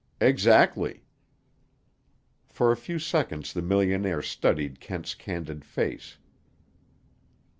"Exactly." For a few seconds the millionaire studied Kent's candid face.